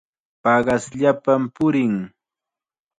Paqasllapam purin.